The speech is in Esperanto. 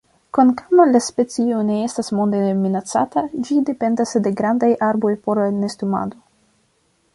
Kvankam la specio ne estas monde minacata, ĝi dependas de grandaj arboj por nestumado.